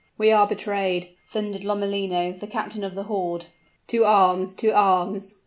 "We are betrayed!" thundered Lomellino, the captain of the horde; "to arms! to arms!"